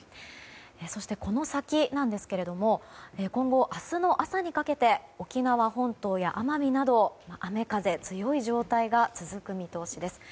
そして、この先なんですが今後、明日の朝にかけて沖縄本島や奄美など雨風強い状態が続く見通しです。